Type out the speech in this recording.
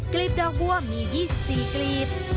ลีบดอกบัวมี๒๔กลีบ